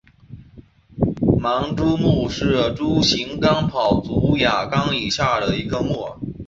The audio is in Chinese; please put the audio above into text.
盲蛛目是蛛形纲跑足亚纲以下的一个目。